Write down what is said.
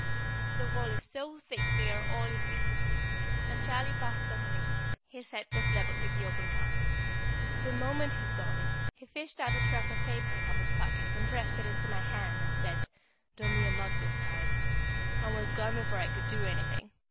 The wall is so thick they are all in recesses, and Charlie passed underneath, his head just level with the open part. The moment he saw me he fished out a scrap of paper from his pocket and pressed it into my hand, and said, "Don't be a mug this time," and was gone before I could do anything.